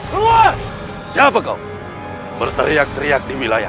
luar siapa kau berteriak teriak di wilayah